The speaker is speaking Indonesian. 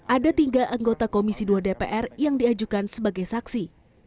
ada tiga anggota komisi dua dpr yang diajukan sebagai saksi